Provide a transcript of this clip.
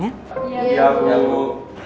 saya mau tugas kalian dikumpulkan ya